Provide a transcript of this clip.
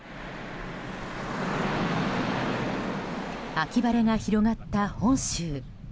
秋晴れが広がった本州。